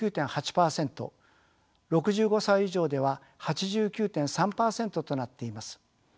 ６５歳以上では８９．３％となっています。